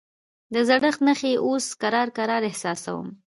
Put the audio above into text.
د زړښت نښې اوس کرار کرار احساسوم.